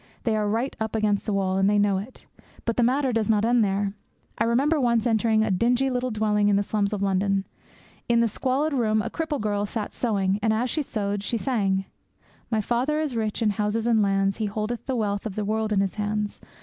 They are right up against the wall; and they know it. But the matter does not end there. I remember once entering a dingy little dwelling in the slums of London. In the squalid room a cripple girl sat sewing, and as she sewed she sang: My Father is rich in houses and lands, He holdeth the wealth of the world in His hands!